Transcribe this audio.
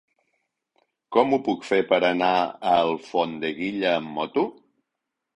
Com ho puc fer per anar a Alfondeguilla amb moto?